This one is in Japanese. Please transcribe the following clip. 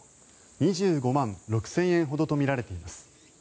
２５万６０００円ほどとみられています。